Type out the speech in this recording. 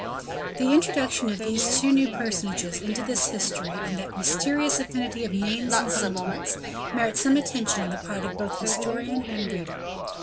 The introduction of these two new personages into this history and that mysterious affinity of names and sentiments, merit some attention on the part of both historian and reader.